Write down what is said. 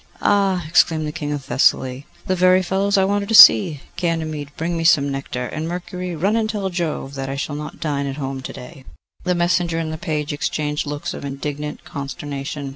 'Ah!' exclaimed the King of Thessaly, 'the very fellows I wanted to see! Ganymede, bring me some nectar; and, Mercury, run and tell Jove that I shall not dine at home to day.' The messenger and the page exchanged looks of indignant consternation.